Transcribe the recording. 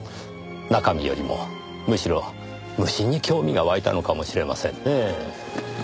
中身よりもむしろ虫に興味が湧いたのかもしれませんねぇ。